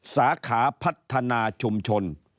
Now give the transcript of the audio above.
สาขาพัฒนาชุมชน